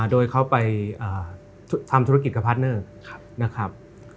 โดยเขาไปทำธุรกิจกับพาร์ทเนอร์นะครับ